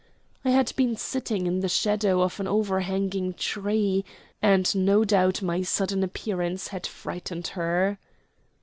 I had been sitting in the shadow of an overhanging tree, and, no doubt, my sudden appearance had frightened her.